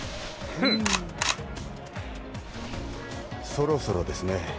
そろそろですね。